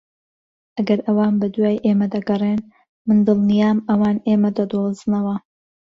ئەگەر ئەوان بەدوای ئێمە دەگەڕێن، من دڵنیام ئەوان ئێمە دەدۆزنەوە.